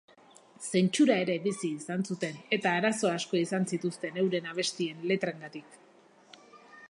Zentsura ere bizi izan zuten eta arazo asko izan zituzten euren abestien letrengatik.